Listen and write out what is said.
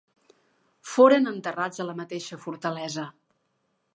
Foren enterrats a la mateixa fortalesa.